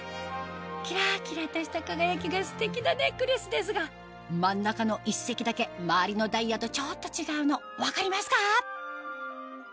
キラキラとした輝きがステキなネックレスですが真ん中の１石だけ周りのダイヤとちょっと違うの分かりますか？